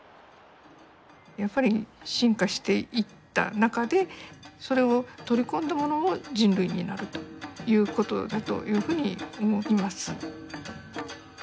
やっぱり進化していった中でそれを取り込んだものも人類になるということだというふうに思います。